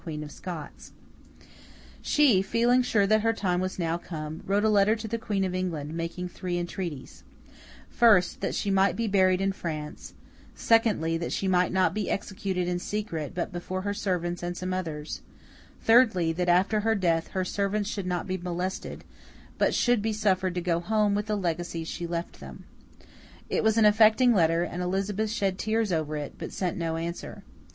[Illustration: Mary Queen of Scots Reading the death warrant] She, feeling sure that her time was now come, wrote a letter to the Queen of England, making three entreaties; first, that she might be buried in France; secondly, that she might not be executed in secret, but before her servants and some others; thirdly, that after her death, her servants should not be molested, but should be suffered to go home with the legacies she left them. It was an affecting letter, and Elizabeth shed tears over it, but sent no answer.